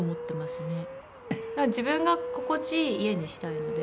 自分が心地いい家にしたいので。